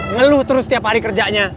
ngeluh terus setiap hari kerjanya